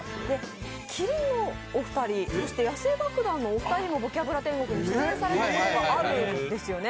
麒麟のお二人、野性爆弾のお二人も「ボキャブラ天国」に出演されたことがあるんですよね。